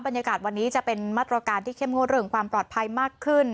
บรรยากาศวันนี้จะเป็นมาตรการที่เข้มงวดเรื่องความปลอดภัยมากขึ้น